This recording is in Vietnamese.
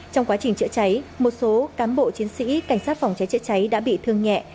trong quá trình chữa cháy một số cán bộ chiến sĩ cảnh sát phòng cháy chữa cháy đã bị thương nhẹ